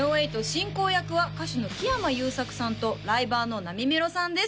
進行役は歌手の木山裕策さんとライバーのなみめろさんです